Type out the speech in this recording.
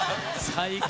最高！